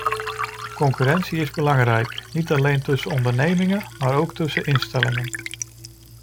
Concurrentie is belangrijk, niet alleen tussen ondernemingen, maar ook tussen instellingen.